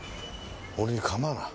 俺に構うな。